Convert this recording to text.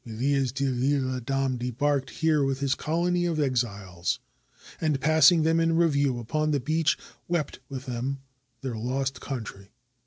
Villiers de L'tle Adam debarked here with his colony of exiles, and passing them in review upon the beach, wept with them their lost country.